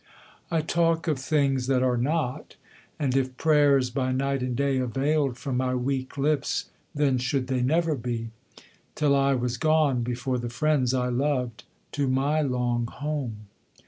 I talk of things that are not; and if prayers By night and day availed from my weak lips, Then should they never be! till I was gone, Before the friends I loved, to my long home.